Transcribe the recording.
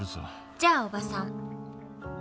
じゃあ伯母さん。